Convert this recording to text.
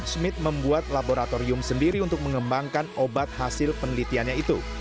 smith membuat laboratorium sendiri untuk mengembangkan obat hasil penelitiannya itu